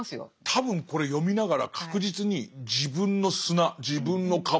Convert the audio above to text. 多分これ読みながら確実に自分の砂自分の壁